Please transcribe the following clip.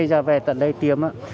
thì giờ về tận đây tiêm á